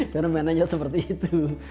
karena mananya seperti itu